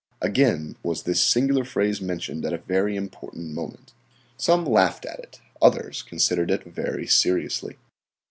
Again was this singular phrase mentioned at a very important moment. Some laughed at it, others considered it very seriously.